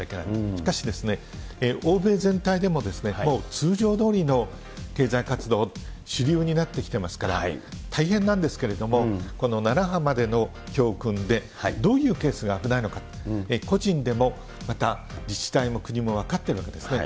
しかしですね、欧米全体でももう通常どおりの経済活動、主流になってきてますから、大変なんですけれども、この７波までの教訓で、どういうケースが危ないのか、個人でも、また自治体も国も分かっているわけですね。